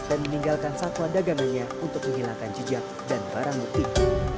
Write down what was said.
dan meninggalkan satwa dagangannya untuk menghilangkan jejak dan barang butik